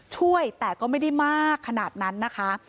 ช่วยแต่ก็ไม่ได้มากขนาดนั้นนะคะ